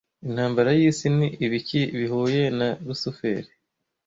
intambara y'isi ni ibiki bihuye na Lusiferi